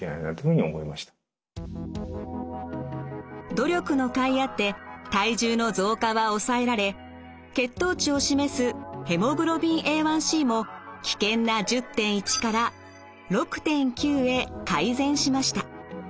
努力のかいあって体重の増加は抑えられ血糖値を示すＨｂＡ１ｃも危険な１０．１から６．９へ改善しました。